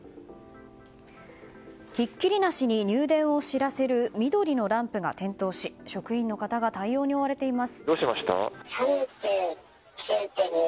ひっきりなしに入電を知らせる緑のランプが点灯し職員の方が対応に追われています。